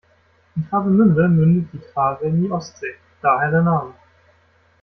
In Travemünde mündet die Trave in die Ostsee, daher der Name.